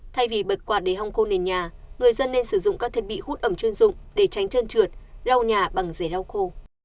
thay vì bật quạt để hòng khô nền nhà người dân nên sử dụng các thiết bị hút ẩm chuyên dụng để tránh chân trượt lau nhà bằng dây lau khô